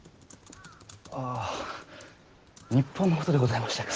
あぁ日本のことでございましたか。